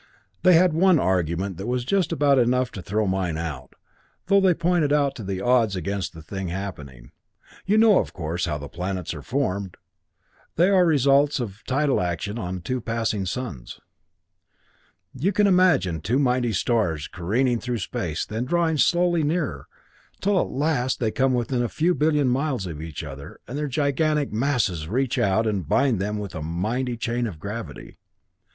"They had one argument that was just about enough to throw mine out, though they pointed to the odds against the thing happening. You know, of course, how planets are formed? They are the results of tidal action on two passing suns. "You can imagine two mighty stars careening through space and then drawing slowly nearer, till at last they come within a few billion miles of each other, and their gigantic masses reach out and bind them with a mighty chain of gravity.